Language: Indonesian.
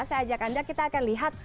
saya ajak anda kita akan lihat